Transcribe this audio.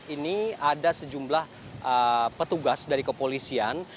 ini ada sejumlah petugas dari kepolisian